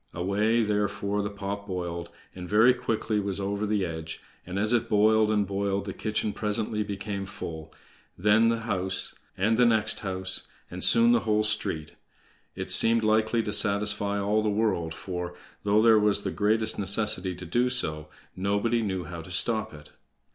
Away, therefore, the pot boiled, and very quickly was over the edge; and as it boiled and boiled the kitchen presently became full, then the house, and the next house, and soon the whole street. It seemed likely to satisfy all the world, for, though there was the greatest necessity to do so, nobody knew how to stop it.